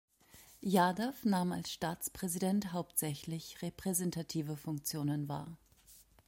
Yadav nahm als Staatspräsident hauptsächlich repräsentative Funktionen wahr.